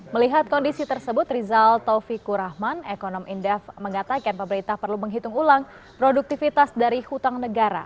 melihat kondisi tersebut rizal taufikur rahman ekonom indef mengatakan pemerintah perlu menghitung ulang produktivitas dari hutang negara